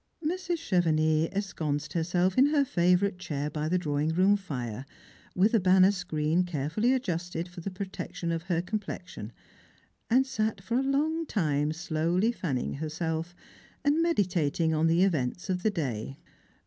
Mrs. Chevenix ensconced herself in her favourite chair by the drawing room fire, with a banner screen carefully adjusted for the protection of her complexion, and sat for a long time slowly fanning herself, and meditating on the events of the day.